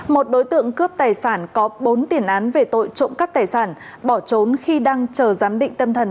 một đối tượng cướp tài sản có bốn tiền án về tội trộm cắp tài sản bỏ trốn khi đang chờ giám định tâm thần